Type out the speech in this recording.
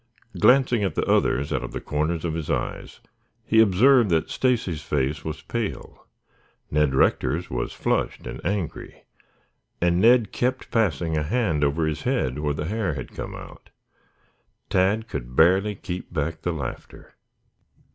Glancing at the others out of the corners of his eyes, he observed that Stacy's face was pale; Ned Rector's was flushed and angry, and Ned kept passing a hand over his head where the hair had come out. Tad could barely keep back the laughter.